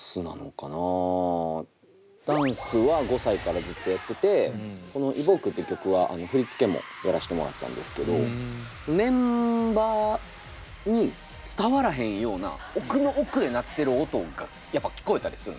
ダンスは５歳からずっとやってて「Ｅｖｏｋｅ」って曲は振り付けもやらしてもらったんですけどメンバーに伝わらへんような奥の奥へ鳴ってる音がやっぱ聞こえたりするんですよね。